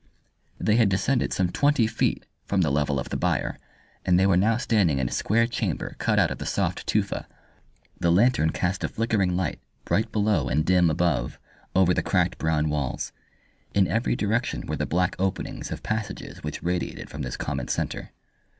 They had descended some twenty feet from the level of the byre, and they were standing now in a square chamber cut out of the soft tufa. The lantern cast a flickering light, bright below and dim above, over the cracked brown walls. In every direction were the black openings of passages which radiated from this common centre.